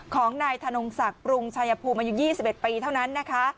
ของนายธนงศักดิ์ปรุงชายภูมิอายุ๒๑ปีเท่านั้นนะคะ